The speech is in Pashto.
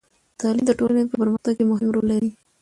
تعلیم د ټولنې په پرمختګ کې مهم رول لري.